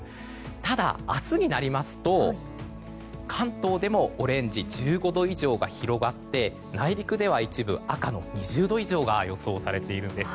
ただ、明日になりますと関東でも、オレンジの１５度以上が広がって内陸では一部、赤の２０度以上が予想されているんです。